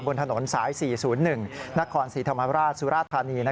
บนถนนสาย๔๐๑นครศรีธรรมราชสุราธานี